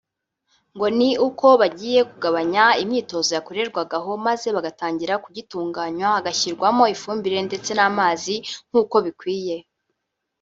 ngo ni uko bagiye kugabanya imyitozo yakorerwagaho maze bagatangira kugitunganwa hashyirwamo ifumbire ndetse n’amazi nk’uko bikwiye